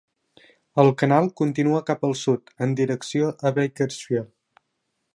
El canal continua cap al sud en direcció a Bakersfield.